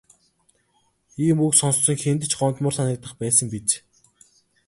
Ийм үг сонссон хэнд ч гомдмоор санагдах байсан биз.